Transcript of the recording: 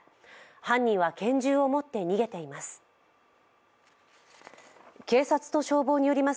犯人は拳銃を持って逃げています。